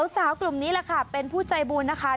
สาวกลุ่มนี้แหละค่ะเป็นผู้ใจบุญนะคะ